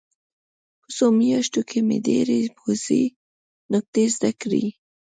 په څو میاشتو کې مې ډېرې پوځي نکتې زده کړې